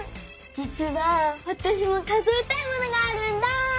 じつはわたしも数えたいものがあるんだ！